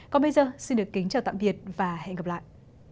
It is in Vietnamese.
còn bây giờ xin được kính chào tạm biệt và hẹn gặp lại